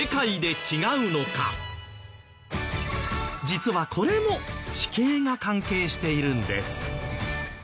実はこれも地形が関係しているんです。